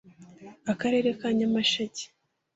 Akarere ka Nyamasheke